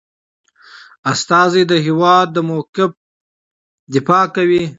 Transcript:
ډيپلومات د هېواد د موقف دفاع کوي.